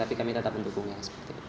tapi kami tetap mendukungnya